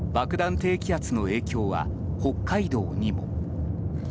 低気圧の影響は北海道にも。